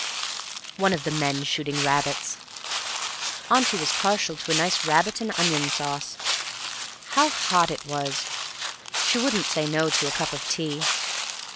One of the men shooting rabbits. Auntie was partial to a nice rabbit, and onion sauce. How hot it was; she wouldn't say no to a cup of tea.